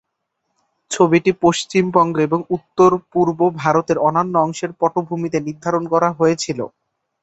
ছবিটি পশ্চিমবঙ্গ এবং উত্তর-পূর্ব ভারতের অন্যান্য অংশের পটভূমিতে নির্ধারণ করা হয়েছিল।